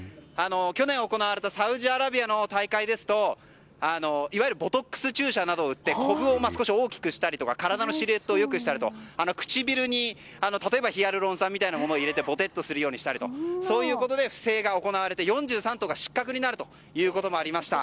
去年行われたサウジアラビアの大会ですとボトックス注射などを打ってこぶを大きくしたりとか体のシルエットをよくしたり唇にヒアルロン酸みたいなものを入れてぼてっとするようにしたりと不正が行われて４３頭が失格になるということがありました。